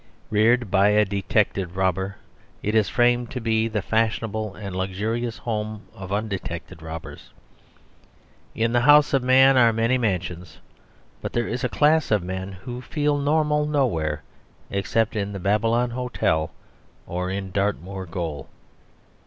Reared by a detected robber, it is framed to be the fashionable and luxurious home of undetected robbers. In the house of man are many mansions; but there is a class of men who feel normal nowhere except in the Babylon Hotel or in Dartmoor Gaol.